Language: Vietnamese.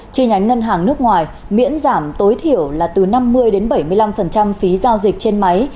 chi nhánh ngân hàng nước ngoài miễn giảm tối thiểu là từ năm mươi bảy mươi năm phí giao dịch trên máy